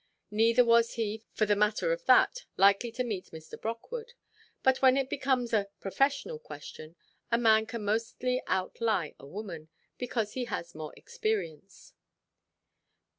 Neither was he, for the matter of that, likely to meet Mr. Brockwood; but when it becomes a professional question, a man can mostly out–lie a woman, because he has more experience.